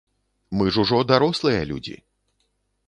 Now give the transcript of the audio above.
Мы ж ужо дарослыя людзі.